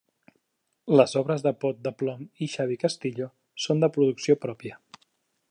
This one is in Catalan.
Les obres de Pot de Plom i Xavi Castillo són de producció pròpia.